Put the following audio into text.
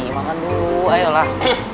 makan dulu ayolah